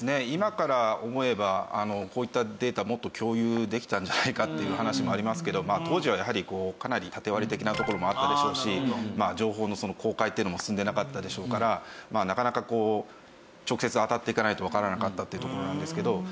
今から思えばこういったデータもっと共有できたんじゃないかっていう話もありますけど当時はやはりかなり縦割り的なところもあったでしょうし情報の公開っていうのも進んでなかったでしょうからなかなかこう直接あたっていかないとわからなかったっていうところなんですけど。